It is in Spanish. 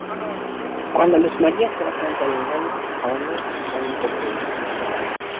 Cuando Luz María se da cuenta del engaño abandona sus sueños de triunfo.